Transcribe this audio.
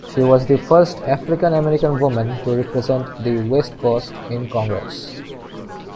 She was the first African-American woman to represent the West Coast in Congress.